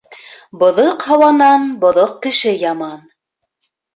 Боҙоҡ һауанан боҙоҡ кеше яман.